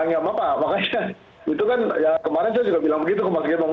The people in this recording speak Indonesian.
ya pak makanya itu kan ya kemarin saya sudah bilang begitu ke mas gembong